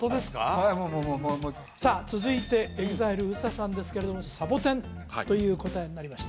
はいもうもうもうさあ続いてＥＸＩＬＥＵＳＡさんですけれどもサボテンという答えになりました